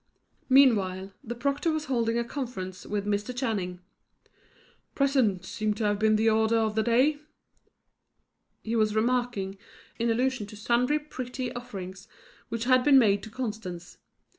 Meanwhile, the proctor was holding a conference with Mr. Channing. "Presents seem to be the order of the day," he was remarking, in allusion to sundry pretty offerings which had been made to Constance.